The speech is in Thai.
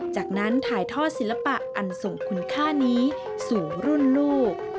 จากนั้นถ่ายทอดศิลปะอันส่งคุณค่านี้สู่รุ่นลูก